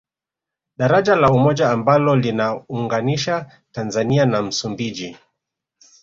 Daraja la Umoja ambalo lina unganisha Tanzania na Msumbiji